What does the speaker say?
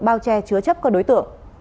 bao che chứa chấp các đối tượng